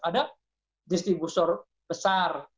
ada distributor besar